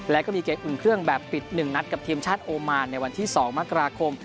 และก็มีเกมอุ่นเครื่องแบบปิด๑นัดกับทีมชาติโอมานในวันที่๒มกราคม